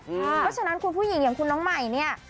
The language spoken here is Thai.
เพราะฉะนั้นคุณผู้หญิงอย่างคุณน้องใหม่เนี่ย